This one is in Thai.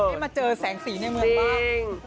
มาเจอแสงสีในเมืองบ้าง